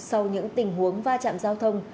sau những tình huống va chạm giao thông